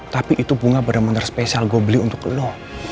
tapi itu bunga benar benar spesial gue beli untuk lo